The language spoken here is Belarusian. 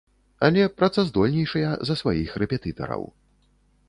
Але працаздольнейшыя за сваіх рэпетытараў.